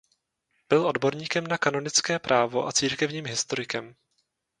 Byl odborníkem na kanonické právo a církevním historikem.